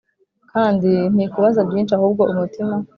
Kandi ntikubaza byinshi ahubwo umutima